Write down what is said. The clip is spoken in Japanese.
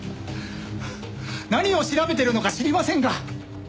何を調べてるのか知りませんが仕事ですよ。